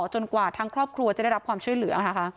จนกว่าทางครอบครัวจะได้รับความช่วยเหลือ